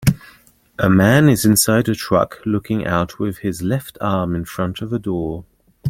A man is inside a truck looking out with his left arm in front of a door